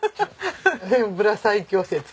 天ぷら最強説。